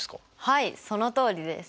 はいそのとおりです。